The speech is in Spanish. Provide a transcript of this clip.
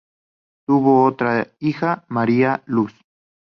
Tuvo otra hija, María Luz.